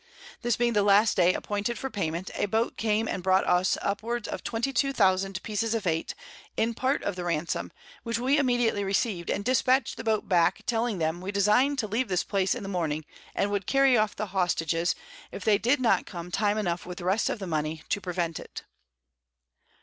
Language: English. This being the last Day appointed for Payment, a Boat came and brought us upwards of 22000 Pieces of 8, in part of the Ransom, which we immediately receiv'd, and dispatch'd the Boat back, telling them, we design'd to leave this Place in the Morning, and would carry off the Hostages, if they did not come time enough with the rest of the Mony to prevent it.